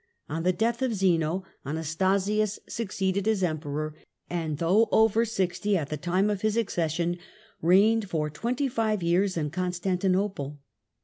On the death of. Zeno, Anastasius succeeded as Emperor, and though over sixty at the time of his ac cession reigned for twenty five years in Constantinople.